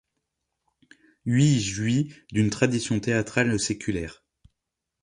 Huy jouit d’une tradition théâtrale séculaire.